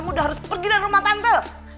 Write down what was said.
mudah harus pergi dari rumah tante